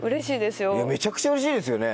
めちゃくちゃ嬉しいですよね。